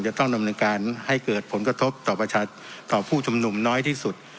จะต้องดำเนินการให้เกิดผลกระทบต่อประชาติต่อผู้ชมหนุ่มน้อยที่สุด